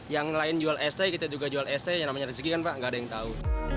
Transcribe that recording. yang lain jual este kita juga jual este yang namanya rezeki kan pak nggak ada yang tahu